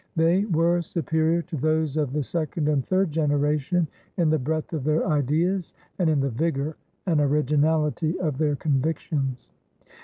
They were superior to those of the second and third generation in the breadth of their ideas and in the vigor and originality of their convictions.